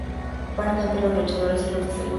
Park ante los luchadores y los de seguridad.